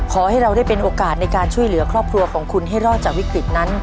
ขอให้เราได้เป็นโอกาสในการช่วยเหลือครอบครัวของคุณให้รอดจากวิกฤตนั้น